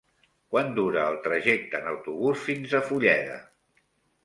Quant dura el trajecte en autobús fins a Fulleda?